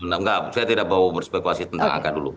enggak saya tidak bawa berspekulasi tentang angka dulu